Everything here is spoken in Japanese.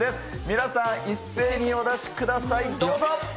皆さん、一斉にお出しください。